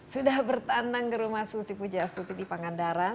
sudah bertandang ke rumah susi pujastuti di pangandaran